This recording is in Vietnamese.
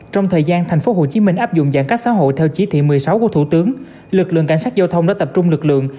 trong thời gian tp hcm áp dụng giãn cách xã hội theo chỉ thị một mươi sáu của thủ tướng lực lượng cảnh sát giao thông đã tập trung lực lượng